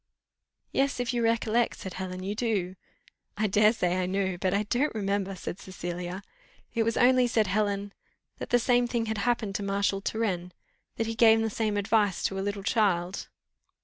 "Yes, if you recollect," said Helen, "you do." "I dare say I know, but I don't remember," said Cecilia. "It was only," said Helen, "that the same thing had happened to Marshal Turenne, that he gave the same advice to a little child."